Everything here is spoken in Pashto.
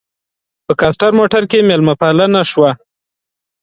په کاسټر موټر کې مېلمه پالنه شوه.